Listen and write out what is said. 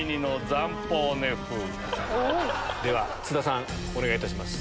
では津田さんお願いいたします。